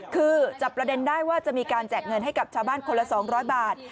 คือจับประเด็นได้ว่าจะมีการแจกเงินให้กับชาวบ้านคนละ๒๐๐บาท